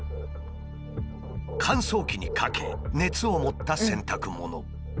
乾燥機にかけ熱を持った洗濯物。